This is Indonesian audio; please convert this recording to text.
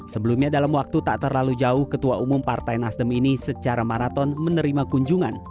sebelumnya dalam waktu tak terlalu jauh ketua umum partai nasdem ini secara maraton menerima kunjungan